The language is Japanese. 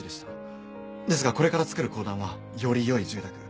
ですがこれから作る公団はより良い住宅。